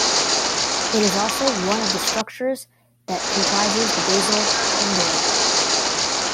It is also one of the structures that comprises the basal ganglia.